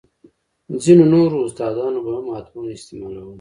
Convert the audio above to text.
ځينو نورو استادانو به هم عطرونه استعمالول.